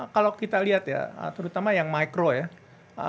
kalau kita lihat ya terutama yang micro ya